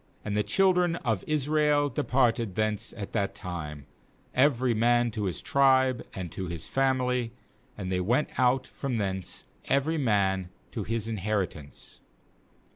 24And the children of Israel departed thence at that time, every man to his tribe and to his family, and they went out from thence every man to his in heritance.